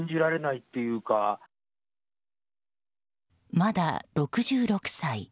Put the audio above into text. まだ６６歳。